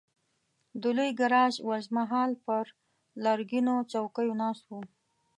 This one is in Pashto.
د لوی ګاراج وزمه هال پر لرګینو څوکیو ناست وو.